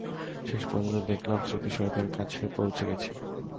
শেষপর্যন্ত দেখলাম স্মৃতিসৌধের কাছে পৌছে গেছি।